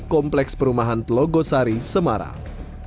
kompleks perumahan telogosari semarang